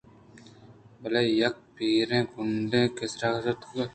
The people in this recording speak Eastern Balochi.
بلے یک پیریں گُرٛانڈے کہ سرے گرٛستگ اَت